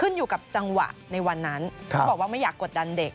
ขึ้นอยู่กับจังหวะในวันนั้นบอกไม่อยากกดดันเด็กค่ะ